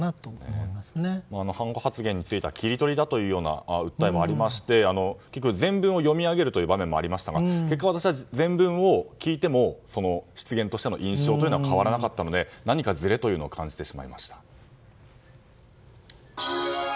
はんこ発言に関しては切り取りという訴えもありまして全文を読み上げる場面もありましたが結果、私は全文聞いても失言としての印象は変わらなかったのでずれのようなものを感じました。